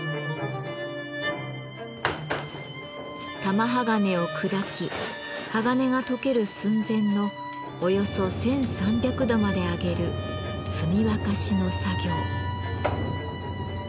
玉鋼を砕き鋼が溶ける寸前のおよそ１，３００度まで上げる「積沸し」の作業。